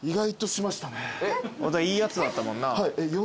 いいやつだったもんな。